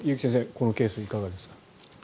このケースはいかがですか。